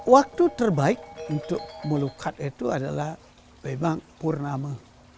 waktu terbaik untuk melukat itu adalah memang purnama